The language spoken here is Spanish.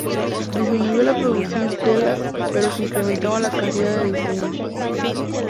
Disminuyó la producción de telas pero se incrementaron la cantidad de diseños.